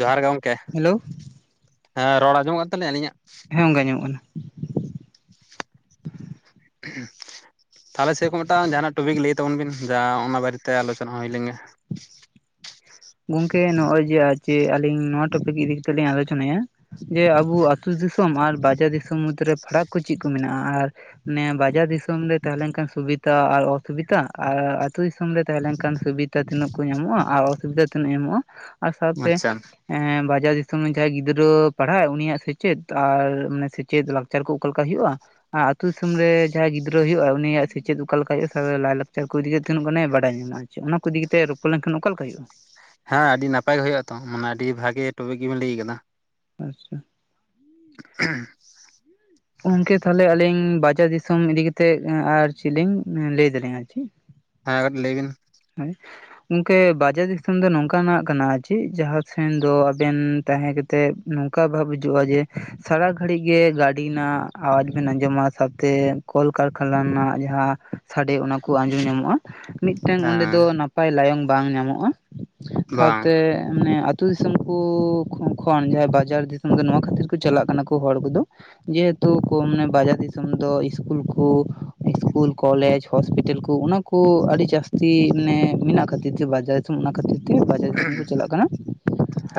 ᱡᱚᱦᱟᱨ ᱜᱮ ᱜᱚᱢᱠᱮ ᱦᱮᱞᱳ ᱾ᱦᱮᱸ ᱨᱚᱲ ᱟᱸᱡᱚᱢᱚᱜ ᱛᱞᱤᱧ ᱟᱹᱞᱤᱧᱟᱜ? ᱦᱮᱸ ᱜᱚᱝᱠᱮ ᱟᱡᱚᱢᱚᱜ ᱠᱟᱱᱟ ᱾ ᱛᱟᱦᱚᱞᱮ ᱥᱮ ᱠᱚ ᱢᱮᱛᱟᱜ-ᱟ ᱡᱟᱦᱟ ᱢᱤᱫᱴᱟᱝ ᱡᱟᱦᱟᱱᱟᱜ ᱴᱚᱯᱤᱠ ᱞᱟᱹᱭ ᱛᱟᱵᱚᱱ ᱵᱤᱱ ᱥᱮ ᱚᱱᱟ ᱵᱟᱨᱮᱛᱮ ᱟᱞᱳᱪᱚᱱᱟ ᱦᱩᱭ ᱞᱮᱱ ᱜᱮ ᱾ ᱜᱚᱝᱠᱮ ᱱᱚᱜᱚᱭ ᱡᱮ ᱟᱨ ᱟᱞᱤᱧ ᱱᱚᱣᱟ ᱴᱚᱯᱤᱠ ᱤᱫᱤ ᱠᱟᱛᱮᱜ ᱞᱤᱧ ᱟᱞᱳᱪᱚᱱᱟᱭᱟ ᱡᱮ ᱟᱵᱚ ᱟᱹᱛᱩ ᱫᱤᱥᱚᱢ ᱟᱨ ᱵᱟᱡᱟᱨ ᱫᱤᱥᱚᱢ ᱢᱚᱫᱽᱫ ᱨᱮ ᱯᱷᱟᱲᱟᱠ ᱠᱚ ᱪᱮᱫ ᱠᱚ ᱢᱮᱱᱟᱜᱼᱟ? ᱟᱨ ᱱᱮ ᱵᱟᱡᱟᱨ ᱫᱤᱥᱚᱢ ᱨᱮ ᱛᱟᱦᱮᱸᱞᱮᱱᱠᱷᱟᱱ ᱥᱩᱵᱤᱛᱟ ᱟᱨ ᱚᱥᱩᱵᱤᱛᱟ ᱟᱨ ᱟᱹᱛᱩᱳ ᱫᱤᱥᱚᱢ ᱨᱮ ᱛᱟᱦᱮᱸᱞᱮᱱᱠᱷᱟᱱ ᱥᱩᱵᱤᱛᱟ ᱟ ᱛᱤᱱᱟᱹᱜ ᱠᱚ ᱧᱟᱢᱚᱜᱼᱟ ᱟᱨ ᱚᱥᱩᱵᱤᱫᱷᱟ ᱛᱤᱱᱟᱹᱜ ᱧᱟᱢᱚᱜᱼᱟ? ᱟᱨ ᱥᱟᱶᱛᱮ ᱟᱪᱪᱷᱟ ᱵᱟᱡᱟᱨ ᱫᱤᱥᱚᱢᱨᱮ ᱡᱟᱦᱟᱸᱭ ᱜᱤᱫᱽᱨᱟᱹ ᱯᱟᱲᱦᱟᱜ ᱩᱱᱤᱭᱟᱜ ᱥᱮᱪᱮᱫ ᱟᱨ ᱢᱟᱱᱮ ᱥᱮᱪᱮᱫ ᱞᱟᱠᱪᱟᱨ ᱠᱚ ᱚᱠᱟ ᱞᱮᱠᱟ ᱦᱳᱭᱳᱜᱼᱟ? ᱟ ᱟᱹᱛᱩ ᱫᱤᱥᱚᱢ ᱨᱮ ᱡᱟᱦᱟᱸᱭ ᱜᱤᱫᱽᱨᱟᱹᱦᱳᱭᱳᱜᱼᱟ ᱩᱱᱤᱭᱟᱜ ᱥᱮᱪᱮᱫ ᱚᱠᱟ ᱞᱮᱠᱟ ᱦᱩᱭᱩᱜᱼᱟ ᱞᱟᱭ ᱞᱟᱠᱪᱟᱨ ᱠᱚ ᱤᱫᱤ ᱛᱟᱦᱮ ᱠᱟᱱᱟᱭ ᱵᱟᱰᱟᱭ ᱧᱟᱢᱟᱭ ᱾ ᱚᱱᱟ ᱠᱚ ᱤᱫᱤ ᱠᱟᱛᱮ ᱨᱚᱯᱚᱲ ᱞᱮᱱᱠᱷᱟᱱ ᱚᱠᱟ ᱞᱮᱠᱟ ᱦᱩᱭᱩᱜᱼᱟ? ᱦᱮᱸ ᱟᱹᱰᱤ ᱱᱟᱯᱟᱭ ᱜᱮ ᱦᱩᱭᱩᱜ-ᱟ ᱛᱚ ᱢᱟᱱᱮ ᱟᱹᱰᱤ ᱵᱷᱟᱜᱤ ᱴᱚᱯᱤᱠ ᱜᱮᱵᱮᱱ ᱞᱟᱹᱭ ᱟᱠᱟᱫᱟ ᱾ ᱟᱪᱪᱷᱟ [unintelligible] ᱜᱚᱝᱠᱮ ᱛᱟᱦᱚᱞᱮ ᱟᱞᱤᱧ ᱵᱟᱡᱟᱨ ᱫᱤᱥᱚᱢ ᱤᱫᱤ ᱠᱟᱛᱮᱜ ᱟᱨ ᱪᱮᱫ ᱞᱤᱝ ᱞᱟᱹᱭ ᱫᱟᱲᱮᱭᱟᱜ ᱟᱨᱠᱤ ᱾ ᱦᱮᱸ ᱠᱟᱹᱴᱤᱡ ᱞᱟᱹᱭ ᱵᱤᱱ ᱾ [inaudible] ᱜᱚᱝᱠᱮ ᱵᱟᱡᱟᱨ ᱫᱤᱥᱚᱢ ᱫᱚ ᱱᱚᱝᱠᱟᱱ ᱟᱜ ᱠᱟᱱᱟ ᱪᱮᱫ ᱡᱟᱦᱟᱸ ᱥᱮᱱ ᱫᱚ ᱟᱵᱮᱱ ᱛᱟᱦᱮᱸ, ᱛᱮ ᱱᱚᱝᱠᱟ ᱵᱷᱟᱵᱽ ᱦᱤᱡᱩᱜᱼᱟ ᱡᱮ ᱥᱟᱨᱟ ᱜᱷᱟᱹᱲᱤᱡ ᱜᱮ ᱜᱟᱹᱰᱤ ᱨᱮᱱᱟᱜ ᱟᱣᱟᱡᱽ ᱵᱮᱱ ᱟᱸᱡᱚᱢᱟ ᱥᱟᱶᱛᱮ ᱠᱚᱞᱠᱟᱨᱠᱷᱟᱱᱟ ᱨᱮᱱᱟᱜ ᱡᱟᱦᱟᱸ ᱥᱟᱺᱰᱮ ᱚᱱᱟ ᱠᱚ ᱟᱸᱡᱚᱢ ᱧᱟᱢᱚᱜᱼᱟ ᱾ ᱢᱤᱫᱴᱮᱱ ᱚᱸᱰᱮ ᱦᱮᱸ ᱫᱚ ᱱᱟᱯᱟᱭ ᱞᱟᱭᱚᱝ ᱵᱟᱝ ᱧᱟᱢᱚᱜᱼᱟ ᱵᱟᱝ ᱥᱟᱶᱛᱮ ᱢᱟᱱᱮ ᱟᱛᱩ, ᱟᱹᱛᱩᱳ ᱫᱤᱥᱚᱢ ᱠᱚ ᱠᱷᱚᱱ ᱡᱟᱦᱟᱸᱭ ᱵᱟᱡᱟᱨ ᱫᱤᱥᱚᱢ ᱫᱚ ᱱᱚᱣᱟ ᱠᱷᱟᱹᱛᱤᱨ ᱠᱚ ᱪᱟᱞᱟᱜ ᱠᱟᱱᱟ ᱠᱚ ᱦᱚᱲ ᱠᱚ ᱫᱚ, ᱡᱮᱦᱮᱛᱩ ᱠᱚ ᱢᱟᱱᱮ ᱵᱟᱡᱟᱨ ᱫᱤᱥᱚᱢ ᱫᱚ ᱤᱥᱠᱩᱞ ᱠᱚ ᱤᱥᱠᱩᱞ ᱠᱚᱞᱮᱡᱽ ᱦᱚᱥᱯᱤᱴᱟᱞ ᱠᱚ ᱚᱱᱟ ᱠᱚ ᱟᱹᱰᱤ ᱡᱟᱹᱥᱛᱤ ᱢᱟᱱᱮ ᱢᱮᱱᱟᱜ ᱠᱷᱟᱹᱛᱤᱨ ᱛᱮ ᱵᱟᱡᱟᱨ ᱛᱮ ᱚᱱᱟ ᱠᱷᱟᱹᱛᱤᱨ ᱛᱮ ᱾ ᱵᱟᱡᱟᱨ ᱫᱤᱥᱚᱢ ᱠᱚ ᱪᱟᱞᱟᱜ ᱠᱟᱱᱟ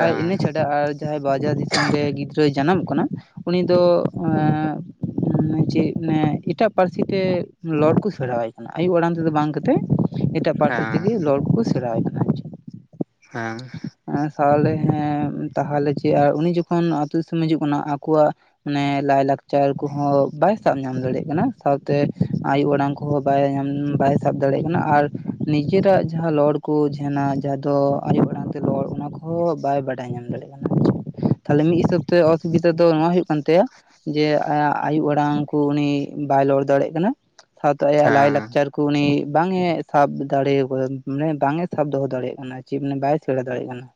ᱟᱨ ᱤᱱᱟᱹ ᱪᱷᱟᱲᱟ ᱟᱨ ᱡᱟᱦᱟᱸᱭ ᱵᱟᱡᱟᱨ ᱫᱤᱥᱚᱢ ᱨᱮ ᱜᱤᱫᱽᱨᱟᱹᱭ ᱡᱟᱱᱟᱢᱚᱜ ᱠᱟᱱᱟ ᱩᱱᱤ ᱫᱚ ᱪᱮᱫ ᱮᱴᱟᱜ ᱯᱟᱹᱨᱥᱤ ᱛᱮ ᱨᱚᱲ ᱠᱚ ᱥᱮᱬᱟᱣᱟᱭ ᱠᱟᱱᱟ ᱟᱭᱩ ᱟᱲᱟᱝ ᱛᱮᱫᱚ ᱵᱟᱝ ᱠᱟᱛᱮᱜ, ᱮᱴᱟᱜ ᱯᱟᱹᱨᱥᱤ ᱛᱮᱜᱮ ᱦᱮᱸ ᱞᱚᱞ ᱠᱚ ᱥᱮᱬᱟ ᱟᱭ ᱠᱟᱱᱟ ᱾ ᱦᱮᱸ᱾ ᱦᱮᱸ ᱥᱟᱶᱞᱮ ᱦᱮᱸ ᱛᱟᱦᱚᱞᱮ ᱪᱮᱜ ᱩᱱᱤ ᱡᱚᱠᱷᱚᱱ ᱟᱛᱳ ᱫᱤᱥᱚᱢᱮ ᱦᱤᱡᱩᱜ ᱠᱟᱱᱟ ᱟᱠᱚᱣᱟᱜ, ᱢᱟᱱᱮ ᱞᱟᱭ-ᱞᱟᱠᱪᱟᱨ ᱠᱚᱦᱚᱸ ᱵᱟᱭ ᱥᱟᱵ ᱧᱟᱢ ᱫᱟᱲᱮᱭᱟᱜ ᱠᱟᱱᱟ ᱥᱟᱶᱛᱮ ᱟᱭᱩ ᱟᱲᱟᱝ ᱠᱚᱦᱚᱸ ᱵᱟᱭ ᱧᱟᱢ ᱵᱟᱭ ᱥᱟᱵ ᱫᱟᱲᱮᱭᱟᱜ ᱠᱟᱱᱟ ᱟᱨ, ᱱᱤᱡᱮᱨᱟᱜ ᱡᱟᱦᱟᱸ ᱞᱚᱲ ᱠᱚ ᱡᱷᱮᱱᱟ ᱡᱟᱦᱟᱸ ᱫᱚ ᱟᱭᱳ ᱟᱲᱟᱝ ᱛᱮ ᱨᱚᱲ ᱚᱱᱟ ᱠᱚᱦᱚᱸ ᱵᱟᱭ ᱵᱟᱰᱟᱭ ᱧᱟᱢ ᱫᱟᱲᱮᱭᱟᱜ ᱠᱟᱱᱟ᱾ ᱛᱟᱦᱚᱞᱮ ᱢᱤᱫ ᱦᱤᱥᱟᱹᱵ ᱛᱮ ᱚᱥᱩᱵᱤᱫᱟ ᱫᱚ ᱱᱚᱣᱟ ᱦᱩᱭᱩᱜ ᱠᱟᱱ ᱛᱟᱭᱟ ᱡᱮ ᱟᱭᱩ ᱟᱲᱟᱝ ᱠᱚ ᱩᱱᱤ ᱵᱟᱭ ᱞᱚᱲ ᱫᱟᱲᱮᱭᱟᱜ ᱠᱟᱱᱟ᱾ ᱥᱟᱶᱛᱮ ᱟᱭᱟᱜ ᱦᱮᱸ ᱞᱟᱭ-ᱞᱟᱠᱪᱟᱨ ᱠᱚ ᱩᱱᱤ ᱵᱟᱝ ᱮ, ᱥᱟᱵ ᱫᱟᱲᱮᱣ ᱠᱚ ᱢᱟᱱᱮ ᱵᱟᱝ ᱮ ᱥᱟᱵ ᱫᱚᱦᱚ ᱫᱟᱲᱮᱭᱟᱜ ᱠᱟᱱᱟ ᱪᱮᱫ ᱢᱟᱱᱮ ᱵᱟᱭ ᱥᱮᱬᱟ ᱫᱟᱲᱮᱭᱟᱜ ᱠᱟᱱᱟ᱾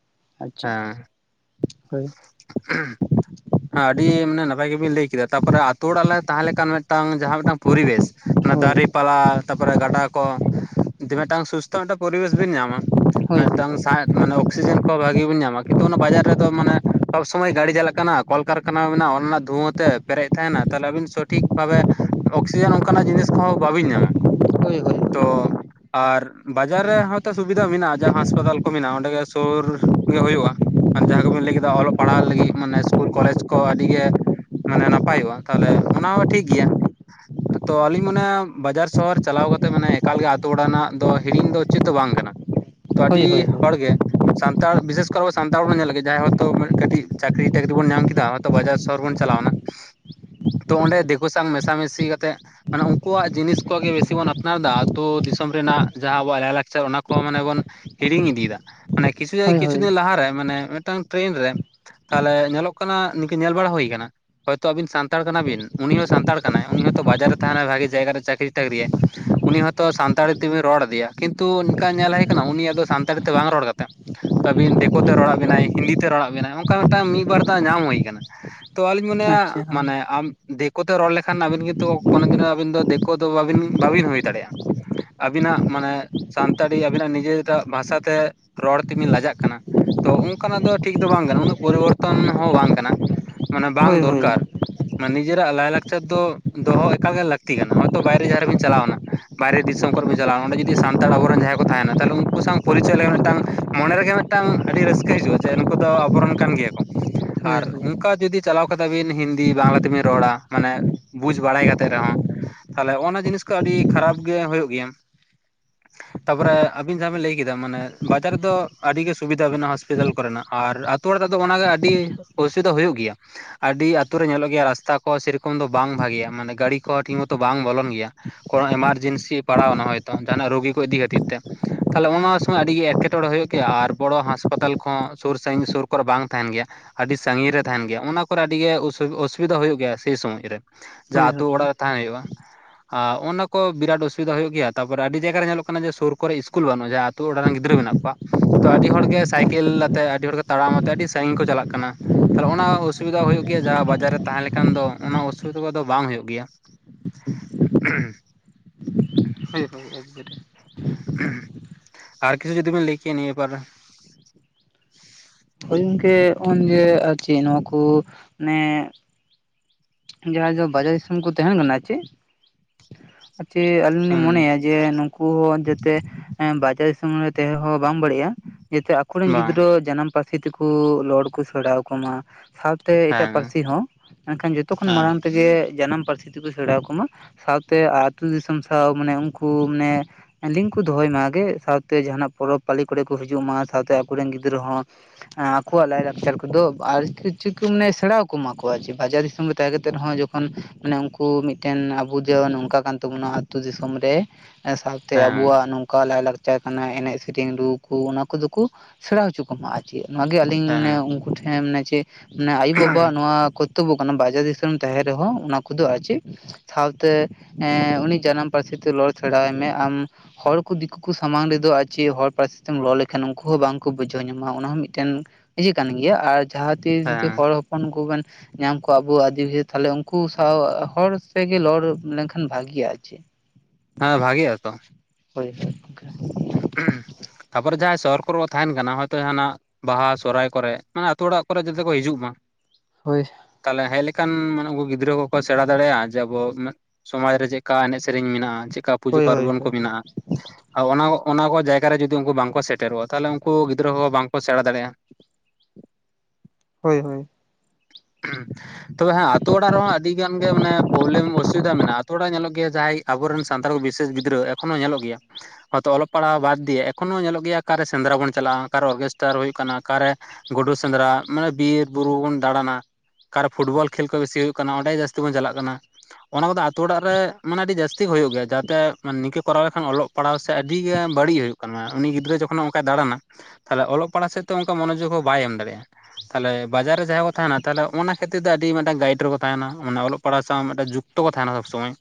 ᱟᱪᱪᱷᱟ ᱦᱮᱸ ᱦᱳᱭ, [inaudible] ᱦᱟ ᱟᱹᱰᱤ ᱢᱟᱱᱮ ᱱᱟᱯᱟᱭ ᱜᱮᱵᱤᱱ ᱞᱟᱹᱭ ᱠᱮᱫᱟ ᱛᱟᱯᱚᱨᱮ ᱟᱛᱳ ᱚᱲᱟᱜ ᱨᱮ ᱛᱟᱦᱮᱸ ᱞᱮᱠᱟᱱ ᱢᱤᱫᱴᱟᱝ ᱡᱟᱦᱟᱸ ᱢᱤᱫᱴᱟᱝ ᱯᱚᱨᱤᱵᱮᱥ, ᱚᱱᱟ ᱦᱳᱭ ᱫᱟᱨᱮ ᱯᱟᱞᱟ ᱛᱟᱨᱯᱚᱨᱮ ᱜᱟᱰᱟ ᱠᱚ ᱡᱩᱫᱤ ᱢᱤᱫᱴᱟᱝ ᱥᱩᱥᱛᱷᱚ ᱢᱤᱫᱴᱟᱝ ᱯᱚᱨᱤᱵᱮᱥ ᱵᱮᱱ ᱧᱟᱢᱟ᱾ ᱦᱳᱭ ᱦᱳᱭ ᱢᱤᱫᱴᱟᱝ ᱦᱳᱭ ᱥᱟᱸᱦᱮᱫ ᱢᱟᱱᱮ ᱚᱠᱥᱤᱡᱮᱱ ᱠᱚ ᱵᱷᱟᱜᱮ ᱵᱤᱱ ᱧᱟᱢᱟ ᱠᱤᱱᱛᱩ ᱚᱱᱟ ᱵᱟᱡᱟᱨ ᱨᱮᱫᱚ ᱢᱟᱱᱮ ᱥᱚᱵ ᱥᱚᱢᱚᱭ ᱜᱟᱹᱲᱤ ᱪᱟᱞᱟᱜ ᱠᱟᱱᱟ ᱠᱚᱞᱟᱨᱠᱷᱟᱱᱟ ᱢᱮᱱᱟᱜᱼᱟ ᱚᱱᱱᱟ ᱫᱷᱩᱣᱟᱹ ᱛᱮ ᱯᱮᱨᱮᱡ ᱛᱟᱦᱮᱱᱟ ᱛᱟᱦᱚᱞᱮ ᱟᱵᱤᱱ ᱥᱚᱴᱷᱤᱠ ᱵᱷᱟᱜᱮ, ᱚᱠᱥᱤᱡᱮᱱ ᱚᱱᱠᱟᱱᱟᱜ ᱡᱤᱱᱤᱥ ᱠᱚᱦᱚᱸ ᱵᱟᱹᱵᱤᱱ ᱧᱟᱢᱟ ᱦᱳᱭ ᱛᱚ ᱟᱨ ᱵᱟᱡᱟᱨ ᱨᱮᱦᱚ ᱛᱚ ᱥᱩᱵᱤᱫᱷᱟ ᱢᱮᱱᱟᱜᱼᱟ ᱡᱟᱦᱟᱸ ᱦᱟᱸᱥᱯᱟᱛᱟᱞ ᱠᱚ ᱢᱮᱱᱟᱜᱼᱟ᱾ ᱚᱸᱵᱮ ᱜᱮ ᱥᱳᱨ, ᱜᱮ ᱦᱩᱭᱩᱜᱼᱟ ᱡᱟᱦᱟᱸ ᱠᱚᱵᱤᱱ ᱞᱟᱹᱭ ᱠᱮᱫᱟ ᱚᱞᱚᱜ ᱯᱟᱲᱦᱟᱜ ᱞᱟᱹᱜᱤᱫ ᱢᱟᱱᱮ ᱤᱥᱠᱩᱞ ᱠᱚᱞᱮᱡᱽ ᱠᱚ ᱟᱹᱰᱤ ᱜᱮ, ᱢᱟᱱᱮ ᱱᱟᱯᱟᱭᱚᱜᱼᱟ ᱛᱟᱦᱚᱞᱮ ᱚᱱᱟ ᱦᱚᱸ ᱴᱷᱤᱠ ᱜᱮᱭᱟ᱾ ᱛᱚ ᱟᱹᱞᱤᱧ ᱢᱚᱱᱮ ᱵᱟᱡᱟᱨ ᱥᱚᱦᱚᱨ ᱪᱟᱞᱟᱣ ᱠᱟᱛᱮᱜ ᱢᱟᱱᱮ ᱮᱠᱟᱞ ᱜᱮ ᱟᱛᱳ ᱚᱲᱟᱜ ᱨᱮᱱᱟᱜ ᱫᱚ ᱦᱤᱲᱤᱧ ᱫᱚ ᱩᱪᱤᱫ ᱫᱚ ᱵᱟᱝ ᱠᱟᱱᱟ᱾ [inaudible] ᱛᱚ ᱟᱹᱰᱤ ᱦᱳᱭ ᱦᱚᱲᱜᱮ ᱥᱟᱱᱛᱟᱲ ᱵᱤᱥᱮᱥ ᱠᱚᱨᱮ ᱟᱵᱚ ᱥᱟᱱᱛᱟᱲ ᱦᱚᱲᱵᱚᱱ ᱧᱮᱜᱮ ᱡᱟᱦᱟᱸᱭ ᱦᱚᱲ ᱛᱚ ᱠᱟᱹᱴᱤᱡ ᱪᱟᱹᱠᱨᱤᱴᱟᱹᱠᱨᱤ ᱵᱚᱱ ᱧᱟᱢ ᱠᱮᱫᱟ ᱦᱚᱛᱚ ᱵᱟᱡᱟᱨ ᱥᱚᱦᱚᱨ ᱵᱚᱱ ᱪᱟᱞᱟᱣᱱᱟ᱾ ᱛᱚ ᱚᱸᱰᱮ ᱫᱮᱠᱳ ᱥᱟᱶ ᱢᱮᱥᱟᱢᱤᱥᱤ ᱠᱟᱛᱮᱫ, ᱢᱟᱱᱮ ᱩᱱᱠᱩᱣᱟᱜ ᱡᱤᱱᱤᱥ ᱠᱚᱜᱮ ᱵᱮᱥᱤ ᱵᱚᱱ ᱟᱯᱱᱟᱨ ᱮᱫᱟ ᱟᱛᱳ ᱫᱤᱥᱚᱢ ᱨᱮᱱᱟᱜ ᱡᱟᱦᱟᱸ ᱟᱵᱚᱣᱟᱜ ᱞᱟᱭᱼᱞᱟᱠᱪᱟᱨ ᱚᱱᱟ ᱠᱚᱦᱚᱸ ᱢᱟᱱᱮ ᱵᱚᱱ ᱦᱤᱲᱤᱧ ᱤᱫᱤ ᱪᱟ ᱢᱟᱱᱮ ᱠᱤᱪᱷᱩ ᱦᱳᱭ ᱠᱤᱪᱷᱩ ᱦᱳᱭ ᱫᱤᱱ ᱞᱟᱦᱟᱨᱮ ᱢᱟᱱᱮ ᱢᱤᱫᱴᱟᱝ ᱴᱨᱮᱱ ᱨᱮ, ᱛᱟᱦᱚᱞᱮ ᱧᱮᱞᱚᱜ ᱠᱟᱱᱟ ᱱᱤᱝᱠᱟᱹ ᱧᱮᱞ ᱵᱟᱲᱟ ᱦᱳᱭ ᱠᱟᱱᱟ᱾ ᱦᱚᱭᱛᱚ ᱟᱹᱵᱤᱱ ᱥᱟᱱᱛᱟᱲ ᱠᱟᱱᱟ ᱵᱤᱱ ᱩᱱᱤ ᱦᱚᱸ ᱥᱟᱱᱛᱟᱲ ᱠᱟᱱᱟᱭ ᱩᱱᱤ ᱦᱚᱭᱛᱚ ᱵᱟᱡᱟᱨ ᱨᱮ ᱛᱟᱦᱮᱱᱟᱭ ᱵᱷᱟᱜᱮ ᱡᱟᱭᱜᱟ ᱨᱮ ᱪᱟᱹᱠᱨᱤᱴᱟᱹᱠᱨᱤ ᱟᱭ ᱩᱱᱤ ᱦᱚᱸᱛᱚ ᱥᱟᱱᱛᱟᱲᱤ ᱛᱮᱵᱤᱱ ᱨᱚᱲ ᱟᱫᱮᱭᱟ ᱠᱤᱱᱛᱩ ᱚᱱᱠᱟ ᱧᱮᱞ ᱦᱩᱭ ᱠᱟᱱᱟ ᱩᱱᱤ ᱟᱫᱚ ᱥᱟᱱᱛᱟᱲᱤ ᱛᱮ ᱵᱟᱝ ᱨᱚᱲ ᱠᱟᱛᱮᱜ ᱛᱟᱵᱤᱱ ᱫᱮᱠᱳ ᱨᱮ ᱨᱚᱲ ᱟᱵᱤᱱᱟᱭ᱾ ᱦᱤᱱᱫᱤ ᱛᱮ ᱨᱚᱲᱟᱜ ᱵᱮᱱᱟ ᱚᱱᱠᱟ ᱢᱤᱫᱴᱟᱝ ᱢᱤᱫ ᱵᱟᱨ ᱫᱷᱟ ᱧᱟᱢ ᱦᱳᱭ ᱠᱟᱱᱟ ᱛᱚ ᱟᱹᱞᱤᱧ ᱢᱚᱱᱮᱭᱟ ᱟᱪᱪᱷᱟ ᱦᱳᱭ ᱢᱟᱱᱮ ᱟᱢ ᱫᱮ, ᱠᱳ ᱛᱮ ᱨᱚᱲ ᱞᱮᱠᱷᱟᱱ ᱟᱵᱤᱱ ᱠᱤᱱᱛᱩ ᱠᱚᱱᱱᱳ ᱫᱤᱱ ᱟᱵᱤᱱ ᱫᱚ ᱫᱤᱠᱩ ᱫᱚ ᱵᱟᱵᱤᱱ ᱦᱩᱭ ᱫᱟᱲᱮᱭᱟᱜᱼᱟ᱾ ᱟᱹᱵᱤᱱᱟᱜ ᱢᱟᱱᱮ, ᱥᱟᱱᱛᱟᱲᱤ ᱟᱵᱤᱱᱟᱜ ᱱᱤᱡᱮᱨᱟᱜ ᱵᱷᱟᱥᱟ ᱛᱮ ᱨᱚᱲ ᱛᱮᱵᱤᱱ ᱞᱟᱡᱟᱜ ᱠᱟᱱᱟ ᱛᱚ ᱩᱱ ᱚᱱᱠᱟᱱᱟᱜ ᱫᱚ ᱴᱷᱤᱠ ᱫᱚ ᱵᱟᱝ ᱠᱟᱱᱟ ᱩᱱᱟᱹᱜ ᱯᱚᱨᱤᱵᱚᱨᱛᱚᱱ ᱦᱚᱸ ᱵᱟᱝ ᱠᱟᱱᱟ ᱢᱟᱱᱮ ᱵᱟᱝ ᱦᱳᱭ ᱦᱳᱭ ᱫᱚᱨᱠᱟᱨ, ᱢᱟᱱᱮ ᱱᱤᱡᱮᱨᱟᱜ ᱞᱟᱭᱼᱞᱟᱠᱪᱟᱨ ᱫᱚ ᱫᱚᱦᱚ ᱮᱠᱟᱞᱮ ᱞᱟᱹᱠᱛᱤ ᱠᱟᱱᱟ ᱦᱚᱭᱛᱳ ᱵᱟᱭᱨᱮ ᱡᱟᱦᱟᱸ ᱨᱮᱵᱤᱱ ᱪᱟᱞᱟᱣᱱᱟ᱾ ᱵᱟᱦᱨᱮ ᱫᱤᱥᱚᱢ ᱠᱚᱨᱮ ᱵᱤᱱ ᱪᱟᱞᱟᱜᱼᱟ ᱚᱸᱰᱮ ᱡᱩᱤ ᱵᱟᱨᱮ ᱫᱤᱥᱚᱢ ᱠᱚᱨᱮ ᱵᱤᱱ ᱪᱟᱞᱟᱣᱱᱟ ᱚᱸᱰᱮ ᱡᱩᱫᱤ ᱥᱟᱱᱛᱟᱲ ᱟᱵᱚᱨ ᱨᱮᱱ ᱡᱟᱦᱟᱸᱭ ᱠᱚ ᱛᱟᱦᱮᱱᱟ ᱛᱟᱦᱚᱞᱮ ᱩᱱᱠᱩ ᱥᱟᱶ ᱯᱚᱨᱤᱪᱚᱭ ᱞᱟᱹᱜᱤᱫ ᱢᱤᱫᱴᱟᱝ ᱢᱚᱱᱮ ᱨᱮᱜᱮ ᱢᱮᱫ ᱴᱟᱝ ᱟᱹᱰᱤ ᱨᱟᱹᱥᱠᱟᱹ ᱦᱤᱡᱩᱜᱼᱟ ᱡᱮ ᱱᱩᱠᱩ ᱫᱚ ᱟᱵᱚᱨᱚᱱ ᱠᱟᱱ ᱜᱮᱭᱟ ᱠᱚ, ᱦᱳᱭ ᱦᱳᱭ ᱟᱨ ᱦᱳᱭ ᱚᱱᱠᱟ ᱡᱩᱫᱤ ᱪᱟᱞᱟᱣ ᱠᱟᱫᱟ ᱵᱤᱱ ᱦᱤᱱᱫᱤ ᱵᱟᱝᱞᱟ ᱛᱮᱵᱤᱱ ᱨᱚᱲᱟ ᱢᱟᱱᱮ, ᱵᱩᱡ ᱵᱟᱲᱟᱭ ᱠᱟᱛᱮᱜ ᱨᱮᱦᱚᱸ ᱛᱟᱦᱚᱞᱮ ᱚᱜᱱᱟ ᱡᱤᱱᱤᱥ ᱠᱚ ᱟᱹᱰᱤ ᱠᱷᱟᱨᱟᱯ ᱜᱮ ᱦᱳᱭᱳᱜ ᱜᱮᱭᱟ᱾ ᱛᱟᱯᱚᱨᱮ ᱟᱵᱤᱱ ᱡᱟᱦᱟᱸ ᱵᱮᱤᱱ ᱞᱟᱹᱭ ᱠᱮᱫᱟ ᱢᱟᱱᱮ ᱵᱟᱡᱟᱨ ᱨᱮᱫᱚ ᱟᱹᱰᱤᱜᱮ ᱥᱩᱵᱤᱫᱷᱟ ᱦᱚᱸᱥ ᱯᱤᱛᱟᱞ ᱠᱚᱨᱮᱱᱟᱜ ᱟᱨ ᱟᱛᱳ ᱚᱲᱟᱜ ᱫᱚ ᱚᱱᱟᱜᱮ ᱟᱹᱰᱤ ᱚᱥᱩᱵᱤᱫᱟ ᱦᱳᱭᱳᱜ ᱜᱮᱭᱟ᱾ ᱟᱹᱰᱤ ᱟᱛᱳ ᱨᱮ ᱧᱮᱞᱚᱜ ᱜᱮᱭᱟ ᱨᱟᱥᱛᱟ ᱠᱚ ᱥᱮᱨᱚᱠᱚᱢ ᱫᱚ ᱵᱟᱝ ᱵᱷᱟᱜᱮᱭᱟ ᱢᱟᱱᱮ ᱜᱟᱹᱲᱤ ᱠᱚ ᱴᱷᱤᱠ ᱢᱚᱛᱚ ᱵᱟᱝ ᱵᱚᱞᱚᱱ ᱜᱮᱭᱟ᱾ ᱠᱳᱱᱳ ᱮᱢᱟᱨᱡᱮᱱᱥᱤ ᱯᱟᱲᱟᱣᱱᱟ ᱦᱚᱭᱛᱳ ᱡᱟᱦᱟᱱᱟᱜ ᱨᱩᱜᱤ ᱠᱚ ᱤᱫᱤ ᱠᱷᱟᱹᱛᱤᱨ ᱛᱮ, ᱛᱟᱦᱚᱞᱮ ᱚᱱᱟ ᱥᱚᱢᱚᱭ ᱟᱹᱰᱤ ᱜᱮ ᱮᱴᱠᱮᱴᱚᱬᱮ ᱦᱳᱭᱳᱜ ᱜᱮᱭᱟ ᱟᱨ ᱵᱚᱲᱚ ᱦᱟᱸᱥᱯᱟ ᱦᱟᱸᱥᱯᱟᱛᱟᱞ ᱠᱚᱦᱚᱸ ᱥᱩᱨ ᱥᱟᱹᱤᱧ ᱥᱩᱨ ᱠᱚᱨᱮ ᱵᱟᱝ ᱛᱟᱸᱦᱮᱱ ᱜᱮᱭᱟ᱾ ᱟᱹᱰᱤ ᱥᱟᱹᱜᱤᱧ ᱨᱮ ᱛᱟᱸᱦᱮᱱ ᱜᱮᱭᱟ ᱚᱱᱟ ᱠᱚᱨᱮ ᱟᱹᱰᱤ ᱜᱮ ᱚᱥᱩᱵᱤ, ᱚᱥᱩᱵᱤᱫᱟ ᱦᱩᱭᱩᱜ ᱜᱮᱭᱟ ᱥᱮᱹᱭ ᱥᱚᱢᱚᱭ ᱨᱮ᱾ ᱡᱟᱦᱟᱸ ᱦᱳᱭ ᱟᱛᱳ ᱚᱲᱟᱜ ᱨᱮ ᱛᱟᱦᱮᱸ ᱦᱩᱭᱩᱜ-ᱟ᱾ ᱟᱻ ᱚᱱᱱᱟ ᱠᱚ ᱵᱤᱨᱤᱟᱴ ᱚᱥᱩᱵᱤᱫᱟ ᱦᱩᱭᱩᱜ ᱜᱮᱭᱟ, ᱛᱟᱯᱚᱨ ᱟᱹᱰᱤ ᱡᱟᱭᱜᱟ ᱨᱮ ᱧᱮᱞᱚᱜ ᱠᱟᱱᱟ ᱡᱮ ᱥᱩᱨ ᱠᱚᱨᱮ ᱤᱥᱠᱩᱞ ᱵᱟᱹᱱᱩᱜ-ᱟ ᱡᱟ ᱟᱛᱳ ᱚᱲᱟᱜ ᱨᱮᱱ ᱜᱤᱫᱽᱨᱟᱹ ᱢᱮᱱᱟᱜ ᱠᱚᱣᱟ᱾ ᱛᱚ, ᱟᱹᱰᱤ ᱦᱚᱲᱜᱮ ᱥᱟᱭᱠᱮᱞ ᱟᱛᱮ ᱟᱹᱰᱤ ᱦᱚᱲᱜᱮ ᱛᱟᱲᱟᱢ ᱟᱛᱮᱫ ᱟᱹᱰᱤ ᱥᱟᱹᱟᱹᱜᱤᱧ ᱠᱚ ᱪᱟᱞᱟᱜ ᱠᱟᱱᱟ᱾ ᱛᱟᱦᱞᱮ ᱚᱱᱟ ᱚᱥᱩᱵᱤᱫᱟ ᱦᱳᱭᱳᱜ ᱜᱮᱭᱟ ᱡᱟᱦᱟᱸ ᱵᱟᱡᱟᱨ ᱨᱮ ᱛᱟᱦᱮᱸ ᱞᱮᱠᱷᱟᱱ ᱫᱚ ᱚᱱᱟ ᱚᱥᱩᱵᱤᱫᱟ ᱫᱚ ᱵᱟᱝ ᱦᱩᱭᱩᱜ ᱜᱮᱭᱟ᱾ [unintelligible] ᱦᱳᱭ ᱦᱳᱭ ᱮᱠᱵᱟᱨᱮ᱾ ᱟᱨ ᱠᱤᱪᱷᱩ ᱡᱩᱫᱤ ᱵᱮᱱ ᱞᱟᱹᱭ ᱠᱮᱭᱟ ᱱᱤᱭᱟᱹ ᱵᱮᱯᱟᱨ᱾ ᱦᱳᱭ ᱜᱚᱝᱠᱮ ᱱᱚᱜ-ᱚᱭ ᱡᱮ ᱟᱨ ᱪᱮᱫ ᱱᱚᱣᱟᱠᱩ ᱢᱟᱱᱮ ᱡᱟᱦᱟᱸᱭ ᱫᱚ ᱵᱟᱡᱟᱨ ᱫᱤᱥᱚᱢ ᱠᱚ ᱛᱟᱸᱦᱮᱱ ᱠᱟᱱᱟ ᱪᱮ᱾ ᱪᱮᱻ ᱟᱹᱞᱤᱧ ᱞᱤᱧ ᱦᱮᱸ ᱢᱚᱱᱮᱭᱟ ᱡᱮ ᱱᱩᱠᱩ ᱦᱚᱸ ᱡᱟᱛᱮ ᱵᱟᱡᱟᱨ ᱫᱤᱥᱚᱢ ᱨᱮ ᱛᱟᱦᱮᱸ ᱦᱚᱸ ᱵᱟᱝ ᱵᱟᱲᱤᱡ-ᱟ, ᱡᱟᱛᱮ ᱟᱠᱚᱨᱮᱱ ᱵᱟᱝ ᱜᱤᱫᱽᱨᱟᱹ ᱡᱟᱱᱟᱢ ᱯᱟᱹᱨᱥᱤ ᱛᱮᱠᱚ ᱨᱚᱲ ᱠᱚ ᱥᱮᱬᱟᱣᱟᱠᱚᱢᱟ ᱥᱟᱶᱛᱮ ᱮᱴᱟᱜ ᱦᱮᱸ ᱯᱟᱹᱨᱥᱤ ᱦᱚᱸ᱾ ᱢᱮᱱᱠᱷᱟᱱ ᱡᱚ ᱦᱮᱸ ᱢᱟᱲᱟᱝ ᱛᱮᱜᱮ ᱡᱟᱱᱟᱢ ᱯᱟᱹᱨᱥᱤ ᱛᱮᱠᱚ ᱥᱮᱬᱟᱣᱟᱠᱚ ᱢᱟ᱾ ᱥᱟᱶᱛᱮ ᱟᱹᱛᱩ ᱫᱤᱥᱚᱢ ᱥᱟᱶ ᱢᱟᱱᱮ ᱩᱱᱠᱩ ᱢᱟᱱᱮ ᱞᱤᱝᱠ ᱠᱚ ᱫᱚᱦᱚᱭ ᱢᱟ ᱜᱮ ᱥᱟᱶᱛᱮ ᱡᱟᱸᱦᱟᱱᱟᱜ ᱯᱚᱨᱚᱵᱽ ᱯᱟᱹᱟᱞᱞᱤ ᱠᱚᱨᱮ ᱠᱚ ᱦᱤᱡᱩᱜ ᱢᱟ ᱥᱟᱶᱛᱮ ᱟᱠᱚᱨᱮᱱ ᱜᱤᱫᱽᱨᱟᱹ ᱦᱚᱸ᱾ ᱟᱸ, ᱟᱠᱚᱣᱟᱜ ᱞᱟᱭᱞᱟᱠᱪᱟᱨ ᱠᱚᱫᱚ ᱟᱨᱤ ᱠᱤᱪᱷᱩ ᱜᱮ ᱢᱟᱱᱮ ᱥᱮᱬᱟᱣᱟᱠᱚ ᱢᱟᱠᱚ ᱟᱨ ᱪᱮᱫ ᱵᱟᱡᱟᱨ ᱫᱤᱥᱚᱢ ᱨᱮ᱾ ᱢᱮᱛᱟᱭ ᱠᱟᱛᱮᱫ ᱨᱮᱦᱚᱸ ᱡᱚᱠᱷᱚᱱ ᱢᱟᱱᱮ ᱩᱱᱠᱩ ᱢᱤᱫᱴᱮᱱ ᱟᱵᱚ ᱫᱚ ᱱᱚᱝᱠᱟ ᱠᱟᱱ ᱛᱟᱵᱚᱱᱟ ᱟ ᱟᱹᱛᱩ ᱫᱤᱥᱚᱢ ᱨᱮ᱾ ᱥᱟᱶᱛᱮ ᱦᱮᱸ ᱟᱵᱚᱣᱟᱜ ᱱᱚᱝ ᱠᱟ ᱞᱟᱭᱞᱟᱠᱪᱟᱨ ᱠᱟᱱᱟ ᱮᱱᱮᱡ ᱥᱮᱨᱮᱧ ᱨᱩ ᱠᱚ ᱚᱱᱟ ᱠᱚᱫᱚ ᱠᱚ ᱥᱮᱬᱟ ᱦᱚᱪᱚ ᱠᱟᱢᱟ ᱟᱨ ᱪᱮᱫ, ᱚᱱᱟᱜᱮ ᱟᱞᱤᱧ ᱢᱟᱱᱮ ᱦᱮᱸ ᱩᱱᱠᱩ ᱴᱷᱮᱱ ᱢᱟᱱᱮ ᱪᱮᱫ ᱟᱭᱩ ᱵᱟᱵᱟᱣᱟᱜ ᱱᱚᱶᱟ ᱠᱚᱨᱛᱚᱵᱵᱚ ᱠᱟᱱᱟ ᱵᱟᱡᱟᱨ ᱫᱤ ᱚᱯᱥᱚᱱ ᱛᱟᱦᱮᱸ ᱨᱮᱦᱚᱸ ᱚᱱᱟ ᱠᱚᱫᱚ ᱟᱨ ᱪᱮᱫ ᱥᱟᱶᱛᱮ ᱮᱸᱻ ᱩᱱᱤ ᱡᱟᱱᱟᱢ ᱯᱟᱹᱨᱥᱤ ᱛᱮ ᱨᱚᱲ ᱥᱮᱚᱲᱟᱭ ᱢᱮ ᱟᱢ ᱦᱚᱲᱠᱩ ᱫᱤᱠᱩ ᱠᱚ ᱥᱟᱢᱟᱝ ᱨᱮᱫᱚ ᱟᱨ ᱪᱮᱫ ᱦᱚᱲ ᱯᱟᱹᱨᱥᱤ ᱛᱮᱢ ᱨᱚᱲ ᱞᱮᱠᱷᱟᱱ ᱩᱱᱠᱩ ᱦᱚᱸ ᱵᱟᱝᱠᱚ ᱵᱩᱡᱷᱟᱹᱣ ᱧᱟᱢᱟ ᱚᱱᱟ ᱦᱚᱸ ᱢᱤᱫᱴᱮᱱ ᱤᱭᱟᱹ ᱠᱟᱱ ᱜᱮᱭᱟ ᱟᱨ ᱡᱟᱦᱟᱸ ᱛᱤᱥ ᱡᱫᱤ ᱦᱮᱸ ᱦᱚᱲ ᱦᱚᱯᱚᱱ ᱠᱚᱵᱮᱱ ᱧᱟᱢ ᱠᱚᱣᱟ ᱟᱵᱚᱣᱟᱜ ᱟᱫ ᱡᱮ ᱛᱟᱦᱞᱮ ᱩᱝᱠᱩ ᱥᱟᱶ ᱦᱚᱲ ᱥᱮᱜᱮ ᱨᱚᱲ ᱞᱮᱱᱠᱷᱟᱱ ᱵᱷᱟᱜᱮᱭᱟ ᱟᱨ ᱪᱮᱫ᱾ ᱦᱮᱸ ᱵᱷᱟᱜᱤᱜ-ᱟ ᱛᱚ᱾ ᱦᱳᱭ ᱦᱳᱭ ᱜᱚᱝᱠᱮ᱾ ᱛᱟᱯᱚᱨ ᱡᱟᱦᱟᱸᱭ ᱥᱚᱦᱚᱨ ᱠᱚᱨᱮ ᱠᱚ ᱛᱟᱸᱦᱮᱱ ᱠᱟᱱᱟ ᱦᱚᱭᱛᱳ ᱡᱟᱸᱦᱟᱱᱟᱜ ᱵᱟᱦᱟ ᱥᱚᱦᱨᱟᱭ ᱠᱚᱨᱮ, ᱢᱟᱱᱮ ᱟᱹᱛᱩ ᱚᱲᱟᱜ ᱠᱚᱨᱮ ᱡᱟᱛᱮ ᱠᱚ ᱦᱤᱡᱩᱜ ᱢᱟ᱾ ᱦᱳᱭ᱾ ᱛᱟᱦᱞᱮ ᱦᱮᱡ ᱞᱮᱠᱷᱟᱱ ᱢᱟᱱᱮ ᱩᱱᱠᱩ ᱜᱤᱫᱽᱨᱟᱹ ᱠᱚᱠᱚ ᱥᱮᱬᱟ ᱫᱟᱲᱮᱭᱟᱜ-ᱟ ᱡᱮ ᱟᱵᱚ ᱥᱚᱢᱟᱡᱽ ᱨᱮ ᱪᱮᱫᱠᱟ ᱮᱱᱮᱡ ᱥᱮᱨᱮᱧ ᱢᱮᱱᱟᱜ-ᱟ ᱪᱮᱫᱠᱟ ᱯᱩᱡᱟᱹ ᱦᱳᱭ ᱦᱳᱭ ᱯᱟᱨᱵᱚᱱ ᱠᱚ ᱦᱳᱭ ᱢᱮᱱᱟᱜ-ᱟ᱾ ᱟᱨ ᱚᱱᱟ, ᱚᱱᱟ ᱠᱚ ᱡᱟᱭᱜᱟ ᱨᱮ ᱡᱩᱫᱤ ᱩᱝᱠᱩ ᱵᱟᱝᱠᱚ ᱥᱮᱴᱮᱨᱚᱜ-ᱟ ᱛᱟᱦᱞᱮ ᱩᱝᱠᱩ ᱜᱤᱫᱽᱨᱟᱹ ᱦᱚᱸ ᱵᱟᱝᱠᱚ ᱥᱮᱬᱟ ᱫᱟᱲᱮᱭᱟᱜ-ᱟ᱾ ᱦᱳᱭ ᱦᱳᱭ᱾ [unintelligible] ᱛᱚᱵᱮ ᱦᱮᱸ ᱟᱛᱳ ᱚᱲᱟᱜ ᱨᱮᱦᱚᱸ ᱟᱹᱰᱤ ᱜᱟᱱ ᱜᱮ ᱢᱟᱱᱮ ᱯᱨᱚᱵᱞᱮᱢ ᱚᱥᱩᱵᱤᱫᱟ ᱢᱮᱱᱟᱜ-ᱟ᱾ ᱟᱛᱳ ᱚᱲᱟᱜ ᱧᱮᱞᱚᱜ ᱜᱮᱭᱟ ᱡᱟᱦᱟᱸᱟᱭ ᱟᱵᱚᱨᱮᱱ ᱥᱟᱱᱛᱟᱲ ᱠᱚ ᱵᱤᱥᱮᱥ ᱜᱤᱫᱽᱨᱟᱹ ᱮᱠᱷᱚᱱ ᱦᱚᱸ ᱧᱮᱞᱚᱜ ᱜᱮᱭᱟ᱾ ᱦᱳᱭᱛᱚ ᱚᱞᱚᱜ ᱯᱟᱲᱦᱟᱣ ᱵᱟᱫ ᱫᱤᱭᱮ ᱮᱠᱷᱚᱱ ᱦᱚᱸ ᱧᱮᱞᱚᱜ ᱜᱮᱭᱟ ᱚᱠᱮ ᱥᱮᱸᱫᱽᱨᱟ ᱵᱚᱱ ᱪᱟᱞᱟᱜ-ᱟ ᱚᱠᱟᱨᱮ ᱚᱨᱜᱮᱥᱴᱟᱨ ᱦᱩᱭᱩᱜ ᱠᱟᱱᱟ ᱚᱠᱟᱨᱮ ᱜᱩᱰᱩ ᱥᱮᱸᱫᱽᱨᱟ ᱢᱟᱱᱮ ᱵᱤᱨ ᱵᱩᱨᱩ ᱵᱚᱱ ᱫᱟᱬᱟᱱᱟ᱾ ᱟᱠᱟᱨᱮ ᱯᱷᱩᱴᱵᱚᱞ ᱠᱷᱮᱹᱞ ᱠᱚ ᱵᱤᱥᱤ ᱦᱩᱭᱩᱜ ᱠᱟᱱᱟ ᱚᱸᱰᱮ ᱡᱟᱹᱥᱛᱤ ᱵᱚᱱ ᱪᱟᱞᱟᱜ ᱠᱟᱱᱟ᱾ ᱚᱱᱟ ᱠᱚᱫᱚ ᱟᱛᱳ ᱚᱲᱟᱜ ᱨᱮ ᱢᱟᱱᱮ ᱟᱹᱰᱤ ᱡᱟᱹᱥᱛᱤ ᱦᱩᱭᱩᱜ ᱜᱮᱭᱟ᱾ ᱡᱟᱛᱮ ᱱᱤᱝᱠᱟᱹ ᱠᱚᱨᱟᱣ ᱞᱮᱠᱷᱟᱱ ᱚᱞᱚᱜ ᱯᱟᱲᱦᱟᱣ ᱥᱮᱫ ᱟᱹᱰᱤ ᱜᱮ ᱵᱟᱹᱲᱤᱡ ᱦᱩᱭᱩᱜ ᱠᱟᱱᱟ ᱩᱱᱤ ᱜᱤᱫᱽᱨᱟᱹ ᱡᱚᱠᱷᱚᱱ ᱚᱱᱠᱟᱭ ᱫᱟᱬᱟᱱᱟ᱾ ᱛᱟᱦᱞᱮ ᱚᱞᱚᱜ ᱯᱟᱲᱦᱟᱜ ᱥᱮᱫᱛᱮ ᱚᱱᱠᱟ ᱢᱚᱱᱚᱡᱳᱜᱽ ᱦᱚᱸ ᱵᱟᱭ ᱮᱢ ᱫᱟᱲᱮᱭᱟᱜ-ᱟ ᱛᱟᱦᱞᱮ ᱵᱟᱡᱟᱨ ᱨᱮ ᱡᱟᱦᱟᱸᱭ ᱠᱚ ᱛᱟᱸᱦᱮᱱᱟ᱾ ᱛᱟᱦᱚᱞᱮ ᱚᱱᱟ ᱠᱷᱮᱛᱛᱤᱨ ᱛᱮ ᱟᱹᱰᱤᱴᱟᱝ ᱜᱟᱭᱤᱰ ᱨᱮ ᱠᱚ ᱛᱟᱦᱮᱱᱟ ᱢ ᱚᱱᱟᱮ ᱚᱞᱚᱜ ᱯᱟᱲᱦᱟᱣ ᱥᱟᱶ ᱢᱤᱫᱴᱟᱝ ᱡᱩᱠᱛᱚ ᱠᱚ ᱛᱟᱦᱮᱱᱟ ᱥᱚᱵᱽ ᱥᱚᱢᱚᱭ᱾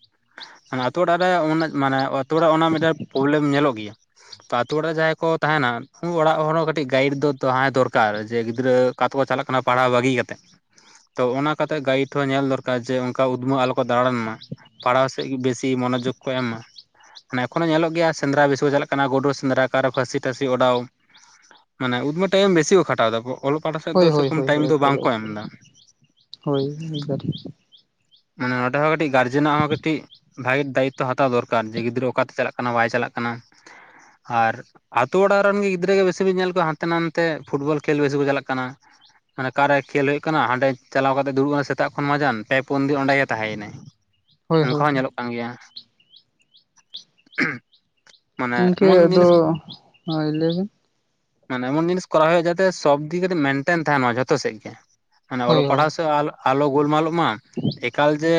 ᱟᱱᱮ ᱟ ᱟᱹᱛᱩᱳ ᱚᱲᱟᱜ ᱨᱮ ᱩ ᱢᱟᱱᱮᱛᱳ ᱚᱲᱟᱜ ᱚᱱᱟ ᱢᱤᱫᱴᱮᱱ ᱯᱨᱚᱵᱞᱮᱢ ᱧᱮᱞᱚᱜ ᱜᱮᱭᱟ ᱾ ᱛᱚ ᱟᱛᱳ ᱚᱲᱟᱜ ᱨᱮ ᱡᱟᱦᱟᱸᱭ ᱠᱚ ᱛᱟᱦᱮᱱᱟ ᱩᱱ ᱚᱲᱟᱜ ᱦᱚᱲᱚᱸ ᱠᱟᱹᱴᱤᱡ ᱜᱟᱭᱤᱰ ᱫᱚ ᱛᱟᱦᱮᱸ ᱫᱚᱨᱠᱟᱨ ᱡᱮ ᱜᱤᱫᱽᱨᱟᱹ ᱚᱠᱟ ᱛᱮᱠᱚ ᱪᱟᱞᱟᱜ ᱠᱟᱱᱟ ᱯᱟᱲᱦᱟᱣ ᱵᱟᱹᱜᱤ ᱠᱟᱛᱮᱜ ᱾ ᱛᱚ ᱚᱱᱟ ᱠᱟᱛᱮᱜ ᱜᱟᱭᱤᱰ ᱦᱚᱸ ᱧᱮᱞ ᱫᱚᱨᱠᱟᱨ ᱡᱮ ᱚᱱᱠᱟ ᱩᱫᱽᱢᱹᱣ ᱟᱞᱚ ᱠᱚ ᱫᱟᱬᱟᱱ ᱢᱟ ᱾ ᱯᱟᱲᱦᱟᱣ ᱥᱮᱫ ᱜᱮ ᱵᱮᱥᱤ ᱢᱚᱱᱚᱡᱳᱜᱽ ᱠᱚ ᱮᱢ ᱢᱟ ᱾ ᱢᱟᱱᱮ ᱮᱠᱷᱚᱱᱳ ᱧᱮᱞᱚᱜ ᱜᱮᱭᱟ ᱥᱮᱸᱫᱽᱨᱟ ᱵᱮᱥᱤ ᱠᱚ ᱜᱮ ᱪᱟᱞᱟᱜ ᱠᱟᱱᱟ ᱜᱩᱰ ᱥᱮᱸᱫᱽᱨᱟ ᱚᱠᱟᱨᱮ ᱯᱷᱟᱹᱥᱤ ᱴᱟᱹᱥᱤ ᱚᱰᱟᱣ ᱾ ᱢᱟᱱᱮ ᱩᱫᱢ ᱴᱟᱭᱤᱢ ᱵᱮᱥᱤ ᱠᱚ ᱠᱷᱟᱴᱟᱣ ᱫᱟ ᱚᱞᱚᱜ ᱯᱟᱲᱦᱟᱜ ᱥᱮᱫ ᱦᱳᱭ ᱫᱚ ᱦᱳᱭ ᱥᱮᱨᱚᱠᱚᱢ ᱦᱳᱭ ᱴᱟᱭᱤᱢ ᱦᱳᱭ ᱫᱚ ᱮᱠᱵᱟᱨᱮ ᱵᱟᱝᱠᱚ ᱮᱢ ᱮᱠᱵᱟᱨᱮ ᱫᱟ ᱾ ᱦᱳᱭ, ᱢᱟᱱᱮ ᱱᱚᱸᱰᱮ ᱦᱚᱸ ᱠᱟᱹᱴᱤᱡ ᱜᱟᱨᱡᱮᱱᱟᱜ ᱦᱚᱸ ᱠᱟᱹᱴᱤᱡ ᱵᱷᱟᱜᱤ ᱫᱟᱭᱤᱛᱛᱚ ᱦᱟᱛᱟᱣ ᱫᱚᱨᱠᱟᱨ ᱡᱮ ᱜᱤᱫᱽᱨᱟᱹ ᱚᱠᱟᱛᱮ ᱪᱟᱞᱟᱜ ᱠᱟᱱᱟ ᱵᱟᱭ ᱪᱟᱞᱟᱜ ᱠᱟᱱᱟ ᱟᱨ ᱟᱛᱳ ᱚᱲᱟᱜ ᱨᱮᱱ ᱜᱮ ᱜᱤᱫᱽᱨᱟᱹ ᱜᱮ ᱵᱮᱥᱤ ᱵᱤᱱ ᱧᱮᱞ ᱠᱚᱣᱟ ᱦᱟᱱᱛᱮ ᱱᱟᱛᱮ ᱯᱷᱩᱴᱵᱚᱞ ᱠᱷᱮᱞ ᱵᱮᱥᱤ ᱠᱚ ᱪᱟᱞᱟᱜ ᱠᱟᱱᱟ ᱾ ᱟᱱᱮ ᱚᱠᱟ ᱠᱷᱮᱞ ᱦᱩᱭᱩᱜ ᱠᱟᱱᱟ ᱦᱟᱸᱰᱮ ᱪᱟᱞᱟᱣ ᱠᱟᱛᱮ ᱫᱩᱲᱩᱵ ᱟᱠᱟᱱᱟ ᱥᱮᱛᱟᱜ ᱠᱷᱚᱱ ᱢᱟᱡᱟᱱ ᱯᱮ ᱦᱚᱯᱚᱱᱫᱤ ᱚᱸᱰᱮ ᱜᱮ ᱛᱟᱦᱮᱸᱭᱮᱱᱟᱭ ᱦᱳᱭ ᱚᱱᱠᱟ ᱦᱳᱭ ᱦᱚᱸ ᱧᱮᱞᱚᱜ ᱠᱟᱱᱟ ᱾ ᱠᱟᱱ ᱜᱮᱭᱟ ᱢᱟᱱᱮ ᱜᱚᱝᱠᱮ ᱮᱢᱚᱱ ᱟᱫᱚ ᱡᱤᱱᱤᱥ ᱢᱟ ᱞᱟᱹᱭᱵᱤᱱ ᱢᱟᱱᱮ ᱮᱢᱚᱱ ᱡᱤᱱᱤᱥ ᱠᱚᱨᱟᱣ ᱦᱩᱭᱩᱜᱼᱟ ᱡᱟᱛᱮ ᱥᱚᱵᱫᱤᱠᱮᱛᱮ ᱢᱮᱱᱴᱮᱱ ᱛᱟᱦᱮᱱᱟ ᱡᱷᱚᱛᱚ ᱥᱮᱫ ᱜᱮ ᱢᱟᱱᱮ ᱦᱳᱭ ᱚᱞᱚᱜ ᱦᱳᱭ ᱯᱟᱲᱦᱟᱣ ᱥᱮᱫ ᱟᱞᱚ ᱜᱳᱞᱢᱟᱞᱚᱜ ᱢᱟ ᱮᱠᱟᱞ ᱡᱮ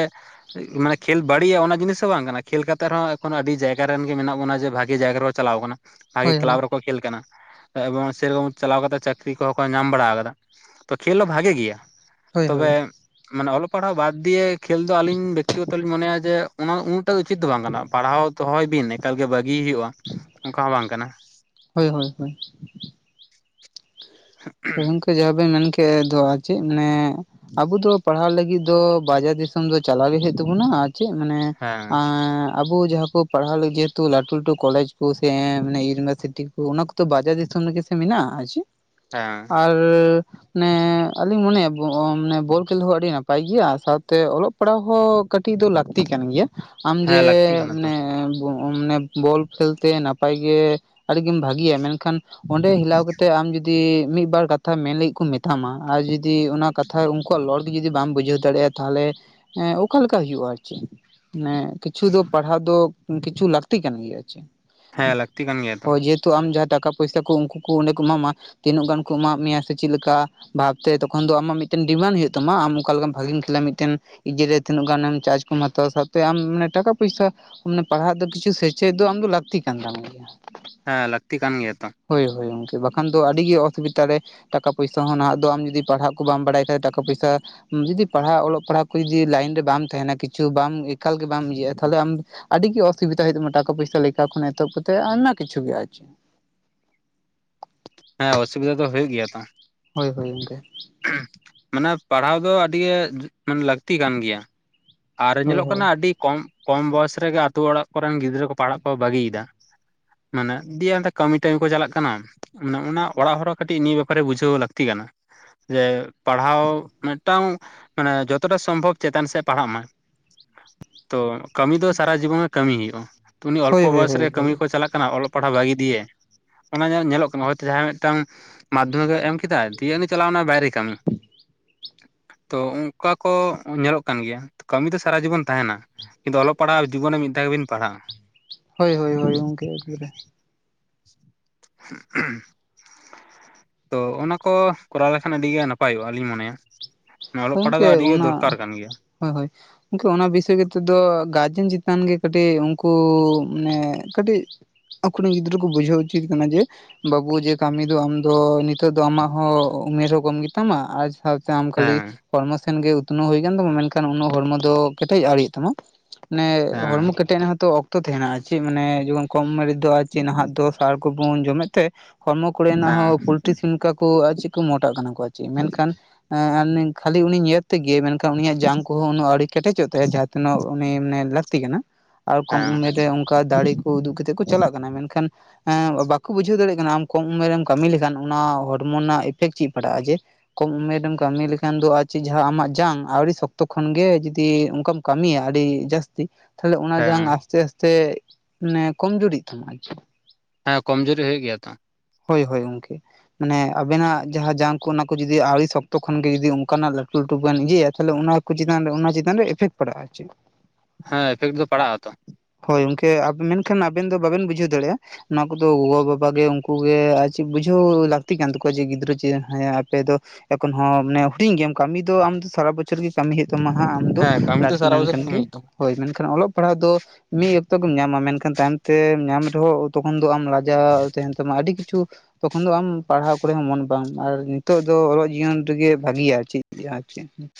ᱚᱱᱟ ᱠᱷᱮᱞ ᱵᱟᱹᱲᱤᱡᱼᱟ ᱚᱱᱟ ᱡᱤᱱᱤᱥ ᱵᱟᱝ ᱠᱟᱱᱟ ᱠᱷᱮᱞ ᱠᱟᱛᱮᱜᱦᱚᱸ ᱮᱠᱷᱚᱱ ᱟᱹᱰᱤ ᱡᱟᱭᱜᱟ ᱨᱮᱱ ᱜᱮ ᱢᱮᱱᱟᱜ ᱵᱚᱱᱟ ᱡᱮ ᱵᱷᱟᱜᱤ ᱡᱟᱭᱜᱟ ᱨᱮ ᱪᱟᱞᱟᱣ ᱟᱠᱟᱱᱟ, ᱵᱷᱟᱜᱮ ᱦᱳᱭ ᱠᱞᱟᱵᱽ ᱦᱳᱭ ᱨᱮ ᱠᱚ ᱠᱷᱮᱞ ᱠᱟᱱᱟ ᱮᱵᱚᱝ ᱥᱮᱨᱚᱠᱚᱢ ᱪᱟᱞᱟᱣ ᱠᱟᱛᱮ ᱪᱟᱹᱠᱨᱤ ᱠᱚᱦᱚᱸ ᱠᱚ ᱧᱟᱢ ᱵᱟᱲᱟ ᱟᱠᱟᱫᱟ ᱾ ᱛᱚ ᱠᱷᱮᱞ ᱦᱚᱸ ᱵᱷᱟᱜᱮ ᱜᱮᱭᱟ ᱾ ᱦᱳᱭ ᱦᱳᱭ ᱛᱚᱵᱮ ᱦᱳᱭ ᱢᱟᱱᱮ ᱚᱞᱚᱜ ᱯᱟᱲᱦᱟᱜ ᱵᱟᱫᱽ ᱫᱤᱭᱮ ᱠᱷᱮᱞ ᱫᱚ ᱟᱹᱞᱤᱧ ᱵᱮᱠᱛᱤᱜᱚᱛᱚ ᱞᱤᱧ ᱢᱚᱱᱮᱭᱟ ᱡᱮ ᱚᱱᱟ ᱩᱱᱟᱹᱜᱴᱟᱜ ᱫᱚ ᱩᱪᱤᱛ ᱫᱚ ᱵᱟᱝ ᱠᱟᱱᱟ ᱯᱟᱲᱦᱟᱣ ᱫᱚᱦᱚᱭ ᱵᱤᱱ ᱮᱠᱟᱞ ᱜᱮ ᱵᱷᱟᱹᱜᱤ ᱦᱩᱭᱩᱜᱼᱟ ᱾ ᱚᱱᱠᱟ ᱦᱚᱸ ᱵᱟᱝ ᱠᱟᱱᱟ ᱾ ᱦᱳᱭ ᱦᱳᱭ ᱦᱳᱭ᱾ ᱜᱚᱝᱠᱮ ᱡᱟᱦᱟᱸ ᱵᱤᱱ ᱢᱮᱱᱠᱮᱜ ᱫᱚ ᱪᱮᱫ ᱢᱟᱱᱮ ᱟᱵᱩ ᱫᱚ ᱯᱟᱲᱦᱟᱣ ᱞᱟᱹᱜᱤᱫ ᱫᱚ ᱵᱟᱡᱟᱨ ᱫᱤᱥᱚᱢ ᱫᱚ ᱪᱟᱞᱟᱣ ᱜᱮ ᱦᱩᱭᱩᱜ ᱛᱟᱵᱩᱱᱟ ᱟᱨ ᱪᱮᱫ ᱢᱟᱱᱮ ᱦᱮᱸ ᱟᱨ ᱟᱵᱚ ᱡᱟᱦᱟᱸ ᱠᱚ ᱯᱟᱲᱦᱟᱣ ᱞᱟᱹᱜᱤᱫ ᱡᱮᱦᱮᱛᱩ ᱞᱟᱴᱩ ᱞᱟᱴᱩ ᱠᱚᱞᱮᱡᱽ ᱠᱚ ᱥᱮ ᱤᱭᱩᱱᱤᱵᱷᱟᱨᱥᱤᱴᱤ ᱠᱚ ᱚᱱᱟ ᱠᱚᱫᱚ ᱵᱟᱡᱟᱨ ᱫᱤᱥᱚᱢ ᱨᱮᱜᱮ ᱥᱮ ᱢᱮᱱᱟᱜᱼᱟ ᱟᱨ ᱪᱮᱫ? ᱦᱮᱸ ᱟᱨ ᱢᱮ ᱟᱹᱞᱤᱧ ᱢᱚᱱᱮᱭᱟ ᱢᱟᱱᱮ ᱵᱚᱞ ᱠᱷᱮᱞ ᱦᱚ ᱟᱹᱰᱤ ᱱᱟᱯᱟᱭ ᱜᱮᱭᱟ, ᱥᱟᱶᱛᱮ ᱚᱞᱚᱜ ᱥᱟᱯᱲᱟᱣ ᱦᱚᱸ ᱠᱟᱹᱴᱤᱡ ᱫᱚ ᱞᱟᱹᱠᱛᱤ ᱠᱟᱱ ᱜᱮᱭᱟ ᱟᱢ ᱡᱮ ᱦᱮᱸ ᱞᱟᱹᱠᱛᱤ ᱠᱟᱱᱟ ᱛᱚ ᱢᱟᱱᱮ ᱢᱟᱱᱮ ᱵᱚᱞ ᱠᱷᱮᱞ ᱛᱮ ᱱᱟᱯᱟᱭ ᱜᱮ ᱟᱹᱰᱤᱜᱮᱢ ᱵᱷᱟᱜᱤᱭᱟ ᱢᱮᱱᱠᱷᱟᱱ ᱠᱷᱟᱱ ᱚᱸᱰᱮ ᱦᱤᱞᱟᱣ ᱠᱟᱛᱮᱜ ᱟᱢ ᱡᱩᱫᱤ ᱡᱩᱫᱤ ᱢᱤᱫ ᱵᱟᱨ ᱠᱟᱛᱷᱟ ᱢᱮᱱ ᱞᱟᱹᱜᱤᱫ ᱠᱚ ᱢᱮᱛᱟᱢᱟ ᱟᱨ ᱡᱩᱫᱤ ᱚᱱᱟ ᱠᱟᱛᱷᱟ ᱩᱱᱠᱩᱣᱟᱜ ᱨᱚᱲ ᱜᱮ ᱡᱩᱫᱤ ᱵᱟᱢ ᱵᱩᱡᱷᱟᱹᱣ ᱫᱟᱲᱮᱭᱟᱜᱼᱟ ᱾ ᱛᱟᱦᱚᱞᱮ ᱮ ᱚᱠᱟᱞᱮᱠᱟ ᱦᱩᱭᱩᱜᱼᱟ ᱟᱨᱠᱤ, ᱢᱟᱱᱮ ᱠᱤᱪᱷᱩ ᱫᱚ ᱯᱟᱲᱦᱟᱣ ᱫᱚ ᱠᱤᱪᱷᱩ ᱞᱟᱹᱠᱛᱤ ᱠᱟᱱ ᱜᱮᱭᱟ ᱟᱨ ᱪᱮᱫ ᱦᱮᱸ ᱞᱟᱹᱠᱛᱤ ᱠᱟᱱ ᱜᱮᱭᱟ ᱾ ᱛᱚ ᱦᱳᱭ ᱡᱮᱦᱮᱛᱩ ᱟᱢ ᱡᱟᱦᱟᱸ ᱴᱟᱠᱟ ᱯᱚᱭᱥᱟ ᱠᱚ ᱩᱱᱠᱩ ᱠᱚ ᱚᱸᱰᱮ ᱠᱚ ᱮᱢᱟᱢᱟ ᱾ ᱛᱤᱱᱟᱹᱜ ᱜᱟᱱ ᱠᱚ ᱮᱢᱟᱫ ᱢᱮᱭᱟ ᱥᱮ ᱪᱮᱫ ᱞᱮᱠᱟ ᱵᱷᱟᱵᱽᱛᱮ ᱛᱚᱠᱷᱚᱱ ᱫᱚ ᱟᱢᱟᱜ ᱢᱤᱫᱴᱮᱱ ᱰᱤᱢᱟᱱᱰ ᱦᱩᱭᱩᱜ ᱛᱟᱢᱟ ᱾ ᱟᱢ ᱚᱠᱟ ᱞᱮᱠᱟ ᱵᱷᱟᱜᱤᱢ ᱠᱷᱮᱞᱟ ᱢᱤᱫᱴᱮᱱ ᱤᱡᱮᱨ ᱨᱮ ᱛᱤᱱᱟᱹᱜ ᱜᱟᱱᱮᱢ ᱪᱟᱨᱡ ᱠᱚᱢ ᱦᱟᱛᱟᱣᱟ ᱥᱟᱶᱛᱮ ᱟᱢ ᱢᱟᱱᱮ ᱴᱟᱠᱟ ᱯᱚᱭᱥᱟ ᱢᱮ ᱯᱟᱲᱦᱟᱜ ᱫᱚ ᱠᱤᱪᱷᱩ ᱥᱮᱸᱪᱮᱫ ᱫᱚ ᱟᱢ ᱫᱚ ᱞᱟᱹᱠᱛᱤ ᱠᱟᱱ ᱛᱟᱢ ᱜᱮᱭᱟ ᱾ ᱦᱮᱸ ᱞᱟᱹᱠᱛᱤ ᱠᱟᱱ ᱜᱮᱭᱟ ᱛᱚ ᱾ ᱦᱳᱭ ᱦᱳᱭ ᱜᱚᱝᱠᱮ ᱵᱟᱠᱷᱟᱱ ᱫᱚ ᱟᱹᱰᱤ ᱜᱮ ᱚᱥᱩᱵᱤᱫᱷᱟ ᱨᱮ ᱴᱟᱠᱟ ᱯᱚᱭᱥᱟ ᱦᱚᱸ ᱱᱟᱦᱟᱜ ᱫᱚ ᱟᱢ ᱡᱩᱫᱤ ᱯᱟᱲᱦᱟᱜ ᱠᱚ ᱵᱟᱢ ᱵᱟᱲᱟᱭ ᱠᱷᱟᱡ ᱴᱟᱠᱟ ᱯᱚᱭᱥᱟ ᱡᱩᱫᱤ ᱯᱟᱲᱦᱟᱜ ᱚᱞᱚᱜ ᱯᱟᱲᱦᱟᱜ ᱠᱚ ᱡᱩᱫᱤ ᱞᱟᱭᱤᱱ ᱨᱮ ᱵᱟᱢ ᱛᱟᱦᱮᱱᱟ ᱠᱤᱪᱷᱩ ᱵᱟᱢ ᱮᱠᱟᱞ ᱜᱮ ᱵᱟᱢ ᱤᱭᱟᱹᱜᱼᱟ ᱛᱟᱦᱞᱮ ᱟᱢ ᱟᱹᱰᱤᱜ ᱜᱮ ᱚᱥᱩᱵᱤᱫᱟ ᱦᱩᱭᱩᱜ ᱛᱟᱢᱟ ᱴᱟᱠᱟ ᱯᱚᱭᱥᱟ ᱞᱮᱠᱟ ᱠᱷᱚᱱ ᱮᱛᱚᱦᱚᱵ ᱠᱟᱛᱮᱫ ᱟᱭᱢᱟ ᱠᱤᱪᱷᱩ ᱜᱮ᱾ ᱟᱨᱪᱮ ᱦᱮᱸ, ᱚᱥᱩᱵᱤᱫᱟ ᱫᱚ ᱦᱩᱭᱩᱜ ᱜᱮᱭᱟ ᱛᱚ ᱦᱳᱭ ᱦᱳᱭ ᱜᱚᱝᱠᱮ ᱦᱩᱸ ᱢᱟᱱᱮ ᱯᱟᱲᱦᱟᱣ ᱫᱚ ᱟᱹᱰᱤ ᱜᱮ ᱢᱟᱱᱮ ᱞᱟᱹᱠᱛᱤ ᱠᱟᱱ ᱜᱮᱭᱟ᱾ ᱟᱨ ᱦᱳᱭ ᱧᱮᱞᱚᱜ ᱠᱟᱱᱟ ᱦᱳᱭ ᱟᱹᱰᱤ ᱠᱚᱢ ᱠᱚᱢ ᱵᱚᱭᱮᱥ ᱨᱮᱜᱮ ᱟᱛᱳ ᱚᱲᱟᱜ ᱠᱚᱨᱮᱱ ᱜᱤᱫᱽᱨᱟᱹ ᱠᱚ ᱯᱟᱲᱦᱟᱜ ᱠᱚ ᱵᱟᱹᱜᱤᱭᱮᱫᱟ᱾ ᱢᱟᱱᱮ ᱫᱤᱭᱮ ᱚᱱᱛᱮ ᱠᱟᱹᱢᱤ ᱴᱟᱹᱢᱤ ᱠᱚ ᱪᱟᱞᱟᱜ ᱠᱟᱱᱟ᱾ ᱢᱟᱱᱮ ᱚᱱᱟ ᱚᱲᱟᱜ ᱦᱚᱲ ᱦᱚᱸ ᱠᱟᱹᱴᱤᱡ ᱱᱤᱭᱟᱹ ᱵᱮᱯᱟᱨ ᱨᱮ ᱵᱩᱡᱷᱟᱹᱣ ᱞᱟᱹᱠᱛᱤ ᱠᱟᱱᱟ᱾ ᱡᱮ ᱯᱟᱲᱦᱟᱣ ᱢᱮᱫᱴᱟᱝ ᱢᱟᱱᱮ ᱡᱚᱛᱚᱴᱟ ᱥᱚᱢᱵᱷᱚᱵ ᱪᱮᱛᱟᱱ ᱥᱮᱫ ᱯᱟᱲᱦᱟᱜ ᱢᱟᱭ ᱛᱚ ᱠᱟᱹᱢᱤ ᱫᱚ ᱥᱟᱨᱟ ᱡᱤᱵᱚᱱ ᱜᱮ ᱠᱟᱹᱢᱤ ᱦᱩᱭᱩᱜᱼᱟ᱾ ᱩᱱᱤ ᱚᱞᱯᱚ ᱦᱳᱭ ᱦᱳᱭ ᱵᱚᱭᱮᱥ ᱨᱮ ᱦᱳᱭ ᱠᱟᱹᱢᱤ ᱦᱳᱭ ᱠᱚ ᱪᱟᱞᱟᱜ ᱠᱟᱱᱟ ᱚᱞᱚᱜ ᱯᱟᱲᱦᱟᱜ ᱵᱟᱹᱜᱤ ᱫᱤᱭᱮ᱾ ᱚᱱᱟ ᱧᱮᱞ ᱧᱮᱞᱚᱜ ᱠᱟᱱᱟ ᱦᱚᱭᱛᱚ ᱡᱟᱦᱟᱸᱭ ᱢᱮᱫᱴᱟᱝ ᱢᱟᱫᱷᱚᱢᱤᱠ ᱮ ᱮᱢ ᱠᱮᱫᱟᱭ ᱫᱤᱭᱮ ᱩᱱᱤ ᱪᱟᱞᱟᱣ ᱮᱱᱟ ᱵᱟᱭᱨᱮ ᱠᱟᱹᱢᱤ ᱛᱚ ᱚᱱᱠᱟ ᱠᱚ ᱧᱮᱞᱚᱜ ᱠᱟᱱ ᱜᱮᱭᱟ ᱠᱟᱹᱢᱤ ᱫᱚ ᱥᱟᱨᱟ ᱡᱤᱵᱚᱱ ᱛᱟᱦᱮᱸᱱᱟ᱾ᱠᱤᱱᱛᱩ ᱚᱞᱚᱜ ᱯᱟᱲᱦᱟᱜ ᱡᱤᱵᱚᱱ ᱨᱮ ᱢᱤᱫ ᱫᱷᱟᱣ ᱜᱮᱵᱤᱱ ᱯᱟᱲᱦᱟᱜᱼᱟ᱾ ᱦᱳᱭ ᱦᱳᱭ ᱦᱳᱭ ᱜᱚᱝᱠᱮ ᱮᱠᱵᱟᱨᱮ ᱛᱚ ᱚᱱᱟ ᱠᱚ ᱠᱚᱨᱟᱣ ᱞᱮᱠᱷᱟᱱ ᱟᱹᱰᱤ ᱜᱮ ᱱᱟᱯᱟᱭᱚᱜᱼᱟ ᱞᱤᱧ ᱢᱚᱱᱮᱭᱟ᱾ ᱚᱞᱚᱜ ᱯᱟᱲᱦᱟᱜ ᱫᱚ ᱟᱹᱰᱤᱜᱮ ᱫᱚᱨᱠᱟᱨ ᱠᱟᱱ ᱜᱮᱭᱟ ᱾ ᱦᱳ, ᱦᱳᱭ, ᱜᱚᱝᱠᱮ ᱚᱱᱟ ᱵᱤᱥᱚᱭ ᱠᱟᱛᱮᱫ ᱫᱚ ᱜᱟᱨᱡᱮᱱ ᱪᱮᱛᱟᱱ ᱜᱮ ᱠᱟᱹᱴᱤᱡ ᱩᱱᱠᱩ ᱢᱟᱱᱮ ᱠᱟᱹᱴᱤᱡ ᱟᱠᱚᱨᱮᱱ ᱜᱤᱫᱽᱨᱟᱹ ᱠᱚ ᱵᱩᱡᱷᱟᱹᱣ ᱩᱪᱤᱫ ᱠᱟᱱᱟ ᱡᱮ ᱵᱟᱹᱵᱩ ᱡᱮ ᱠᱟᱹᱢᱤ ᱫᱚ ᱟᱢ ᱫᱚ ᱱᱤᱛᱚᱜ ᱫᱚ ᱟᱢᱟᱜ ᱦᱚᱸ ᱩᱢᱮᱨ ᱦᱚᱸ ᱠᱚᱢ ᱜᱮᱛᱟᱢᱟ ᱟᱨ ᱥᱟᱶ ᱟᱢ ᱠᱷᱟᱹᱞᱤ ᱦᱮᱸ ᱦᱚᱲᱢᱚ ᱥᱮᱱᱜᱮ ᱩᱛᱱᱟᱹᱣ ᱦᱩᱭ ᱠᱟᱱ ᱛᱟᱢᱟ, ᱢᱮᱱᱠᱷᱟᱱ ᱩᱱᱟᱹᱜ ᱦᱚᱲᱢᱚ ᱫᱚ ᱠᱮᱴᱮᱡ ᱟᱣᱨᱤᱭᱟᱜ ᱛᱟᱢᱟ‌᱾ ᱢᱟᱱᱮ ᱦᱮᱸ ᱦᱚᱲᱢᱚ ᱠᱮᱴᱮᱡ ᱱᱟᱦᱚᱛᱚ ᱚᱛᱚ ᱛᱟᱦᱮᱱᱟ ᱟᱨ ᱪᱮᱫ ᱢᱟᱱᱮ ᱡᱚᱠᱷᱚᱱ ᱠᱚᱢ ᱢᱟᱸᱨ ᱫᱚ ᱟᱨ ᱪᱮᱫ ᱱᱟᱦᱟᱜ ᱫᱚ ᱥᱟᱨ ᱠᱚᱵᱚᱱ ᱡᱚᱢᱮᱫ ᱛᱮ ᱦᱚᱲᱢᱚ ᱠᱚᱨᱮᱱᱟᱜ ᱦᱮᱸ ᱦᱚᱸ ᱯᱳᱞᱴᱨᱤ ᱥᱤᱢ ᱠᱟ ᱠᱚ ᱟᱨ ᱪᱮᱫ, ᱠᱚ, ᱢᱚᱴᱟᱜ ᱠᱟᱱᱟ ᱠᱚ ᱟᱨ ᱪᱮᱫ ᱢᱮᱱᱠᱷᱟᱱ ᱮ ᱠᱷᱟᱞᱤ ᱩᱱᱤ ᱧᱮᱞ ᱛᱮᱜᱮ ᱢᱮᱱᱠᱦᱟᱱ, ᱩᱱᱤᱟᱜ ᱡᱟᱝ ᱠᱚᱦᱚᱸ ᱩᱱᱟᱹᱜ ᱟᱣᱨᱤ ᱠᱮᱴᱮᱡᱚᱜ ᱛᱟᱭᱟ ᱡᱟᱦᱟᱸ ᱛᱤᱱᱟᱹᱜ ᱩᱱᱤ ᱢᱟᱱᱮ ᱞᱟᱛ ᱞᱟᱹᱠᱛᱤ ᱠᱟᱱᱟ᱾ ᱟᱨ ᱠᱚᱢ ᱦᱮᱸ ᱩᱢᱮᱨ ᱨᱮ ᱚᱱᱠᱟ ᱫᱟᱲᱮ ᱠᱚ ᱩᱫᱩᱜ ᱠᱟᱛᱮᱫ ᱠᱚ ᱪᱟᱞᱟᱜ ᱠᱟᱱᱟ᱾ ᱢᱮᱱᱠᱷᱟᱱ ᱵᱟᱠᱚ ᱵᱩᱡᱷᱟᱹᱣ ᱫᱟᱲᱮᱭᱟᱜ ᱠᱟᱱᱟ ᱟᱢ ᱠᱚᱢ ᱩᱢᱮᱨ ᱨᱮᱢ ᱠᱟᱹᱢᱤ ᱞᱮᱠᱷᱟᱱ ᱚᱱᱟ ᱦᱚᱲᱢᱚ ᱨᱮᱱᱟᱜ ᱤᱯᱷᱮᱠᱴ ᱪᱮᱫ ᱯᱟᱲᱟᱜᱼᱟ᱾ ᱡᱮ ᱠᱚᱢ ᱩᱢᱮᱨ ᱨᱮᱢ ᱠᱟᱹᱢᱤ ᱞᱮ ᱠᱷᱟᱱ ᱫᱚ ᱟᱨ ᱪᱮᱫ ᱡᱟᱦᱟᱸ ᱟᱢᱟᱜ ᱡᱟᱝ ᱟᱹᱣᱨᱤ ᱥᱚᱠᱛᱚ ᱠᱷᱚᱱᱜᱮ ᱡᱩᱫᱤ ᱚᱱᱠᱟᱢ ᱠᱟᱹᱢᱤᱭᱟ ᱟᱹᱰᱤ ᱡᱟᱹᱥᱛᱤ, ᱛᱟᱦᱞᱮ ᱚᱱᱟ ᱦᱮᱸ ᱡᱟᱝ ᱟᱥᱛᱮ ᱟᱥᱛᱮ ᱢᱟᱱᱮ ᱠᱚᱢᱡᱩᱨᱤᱜ ᱛᱟᱢᱟ ᱟᱨᱠᱤ᱾ ᱦᱮᱸ ᱠᱚᱢ ᱡᱩᱨᱤ ᱦᱩᱭᱩᱜ ᱜᱮᱭᱟ ᱛᱚ᱾ ᱦᱳᱭ ᱦᱳᱭ ᱜᱚᱝᱠᱮ, ᱢᱟᱱᱮ ᱟᱵᱮᱱᱟᱜ ᱡᱟᱦᱟᱸ ᱡᱟᱝ ᱠᱚ ᱚᱱᱟ ᱠᱚ ᱡᱩᱫᱤ ᱟᱹᱣᱨᱤ ᱥᱚᱠᱛᱚ ᱠᱷᱚᱱ ᱡᱩᱫᱤ ᱚᱱᱠᱟᱱᱟᱜ ᱞᱟᱹᱴᱩ ᱞᱟᱹᱴᱩ ᱵᱮᱱ ᱤᱭᱟᱹᱭᱟ ᱛᱟᱦᱚᱞᱮ ᱚᱱᱟ ᱠᱚ ᱪᱮᱛᱟᱱ ᱨᱮ ᱚᱱᱟ ᱪᱮᱛᱟᱱ ᱨᱮ ᱮᱯᱷᱮᱠᱴ ᱯᱟᱲᱟᱜᱼᱟ᱾ ᱟᱨ ᱪᱮᱫ? ᱦᱮᱸ ᱮᱯᱷᱮᱠᱴ ᱫᱚ ᱯᱟᱲᱟᱜ-ᱟ ᱛᱚ᱾ ᱦᱳᱭ ᱜᱚᱝᱠᱮ ᱟᱵ ᱢᱮᱱᱠᱷᱟᱱ ᱟᱵᱮᱱ ᱫᱚ ᱵᱟᱵᱮᱱ ᱵᱩᱡᱷᱟᱹᱣ ᱫᱟᱲᱮᱭᱟᱜᱼᱟ᱾ ᱱᱚᱣᱟ ᱠᱚᱫᱚ ᱜᱚᱵᱟᱵᱟᱟᱜ ᱜᱮ ᱩᱱᱠᱩᱩᱜ ᱜᱮ ᱟᱨ ᱪᱮᱫ ᱵᱩᱡᱷᱟᱹᱣ ᱞᱟᱹᱠᱛᱤ ᱠᱟᱱ ᱛᱟᱠᱚᱣᱟ, ᱡᱮ ᱜᱤᱫᱽᱨᱟᱹ ᱪᱮᱫ ᱦᱸ ᱟᱯᱮ ᱫᱚ ᱮᱠᱷᱚᱱ ᱦᱚᱸ ᱢᱟᱱᱮ ᱦᱩᱰᱤᱧ ᱜᱮᱭᱟᱢ ᱠᱟᱹᱢᱤ ᱫᱚ ᱟᱢ ᱥᱟᱨᱟ ᱵᱚᱪᱷᱚᱨ ᱜᱮ ᱠᱟᱹᱢᱤ ᱦᱩᱭᱩᱜ ᱛᱟᱢᱟ ᱦᱟᱜ ᱟᱢ ᱫᱚ ᱦᱮᱸ ‌ ᱠᱟᱹᱢᱤ ᱫᱚ ᱞᱟᱴᱩ ᱥᱟᱨᱟ ᱵᱚᱪᱷᱚᱨ ᱞᱮᱱᱠᱷᱟᱱ ᱠᱟᱹᱢᱤ ᱜᱮ, ᱦᱩᱭᱩᱜ ᱛᱟᱢᱟ ᱦᱳᱭ ᱢᱮᱱᱠᱷᱟᱱ ᱚᱞᱚᱜ ᱯᱟᱲᱦᱟᱜ ᱫᱚ ᱢᱤᱫ ᱚᱠᱛᱚ ᱜᱮᱢ ᱧᱟᱢᱟ ᱢᱮᱱᱠᱷᱟᱱ, ᱛᱟᱭᱚᱢ ᱛᱮ ᱧᱟᱢ ᱨᱮᱦᱚᱸ ᱛᱚᱠᱷᱚᱱ ᱫᱚ ᱟᱢ ᱞᱟᱡᱟᱣ ᱛᱟᱦᱮᱱ ᱛᱟᱢᱟ ᱟᱹᱰᱤ ᱠᱤᱪᱷᱩ ᱛᱚᱠᱷᱚᱱ ᱫᱚ ᱟᱢ ᱯᱟᱲᱦᱟᱣ ᱠᱚᱨᱮ ᱦᱚᱸ ᱢᱚᱱ ᱵᱟᱢ ᱟᱨ ᱱᱤᱛᱚᱜ ᱫᱚ ᱚᱞᱚᱜ ᱡᱤᱭᱚᱱ ᱨᱮᱜᱮ ᱵᱷᱟᱹᱜᱤᱭᱟ ᱪᱤᱫ ᱪᱮᱫ [unintelligible]